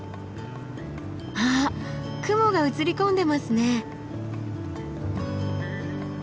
あっ雲が映り込んでますね。